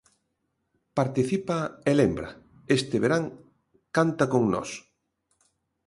Participa e lembra, Este verán canta con nós.